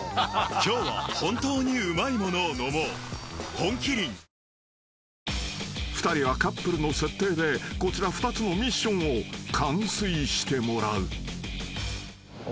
本麒麟［２人はカップルの設定でこちら２つのミッションを完遂してもらう］